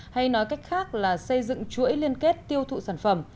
hay nói cách khác là xây dựng chuỗi liên kết tiêu thụ sản phẩm